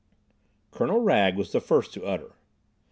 Colonel Wragge was the first to utter.